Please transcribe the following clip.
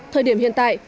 thời điểm hiện tại